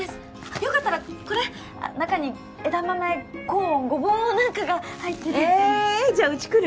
よかったらこれ中に枝豆コーンゴボウなんかが入っててえーじゃあうち来る？